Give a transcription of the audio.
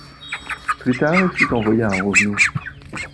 Plus tard, il fut envoyé à Rovno.